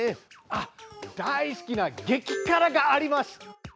あっ大好きなげきからがあります。